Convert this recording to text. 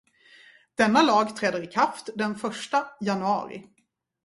Denna lag träder i kraft den första januari.